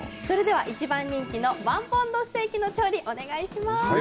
それでは一番人気の１ポンドステーキの調理お願いします。